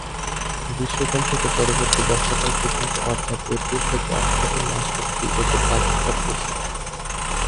গ্রীষ্মকাল থেকে পরবর্তী বর্ষাকাল পর্যন্ত অর্থাৎ এপ্রিল থেকে অক্টোবর মাস অবধি এদের প্রাদুর্ভাব বেশি।